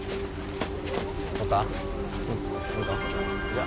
・じゃ